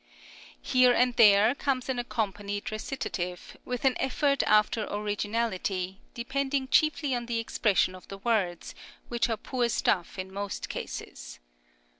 Here and there comes an accompanied recitative, with an effort after originality, depending chiefly on the expression of the words, which are poor stuff in most cases.